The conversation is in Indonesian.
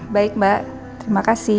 baik mbak terima kasih